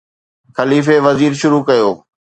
خليفي وزير شروع ڪيو